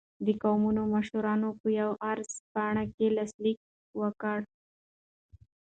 د قومونو مشرانو په یوه عرض پاڼه کې لاسلیکونه وکړل.